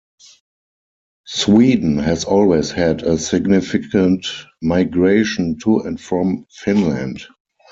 Sweden has always had a significant migration to and from Finland.